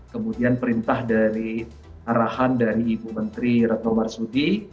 kemudian perintah dari arahan dari ibu menteri retno marsudi